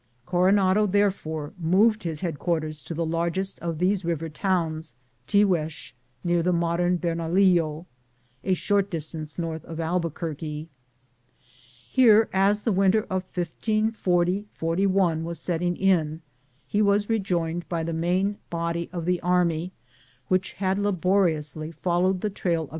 Coronado therefore moved his ' headquarters to the largest of these river towns, Tiguex, near the modern Bernalillo, a short distance north of Albuquerque. Here, as the winter of 1540 41 was setting in, he was rejoined by the main body of the army, which had laboriously followed the trail of .